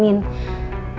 kasian bu kalo dibangunin